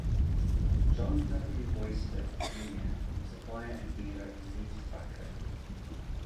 John W. Royster, Junior was a buyer and dealer in leaf tobacco.